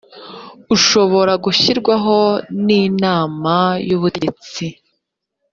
ashobora gushyirwaho n inama y ubutegetsi